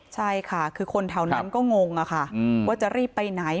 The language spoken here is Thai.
ใช่ค่ะคือคนแถวนั้นก็งงอะค่ะว่าจะรีบไปไหน